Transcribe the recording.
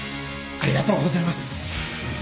ありがとうございます。